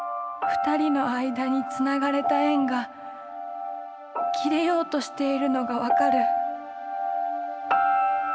二人の間につながれた縁が切れようとしているのが分かる。